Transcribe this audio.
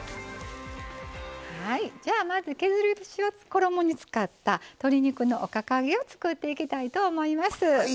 まず削り節を衣に使った鶏肉のおかか揚げを作っていきたいと思います。